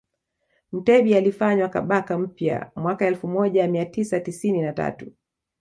Mutebi alifanywa Kabaka mpya mwaka elfu moja mia tisa tisini na tatu